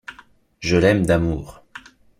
Je l’aime d’amour.